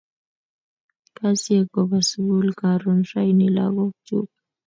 Kasyekopa sukul karon raini lagok chuk.